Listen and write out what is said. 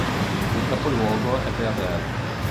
Il capoluogo è Beaver.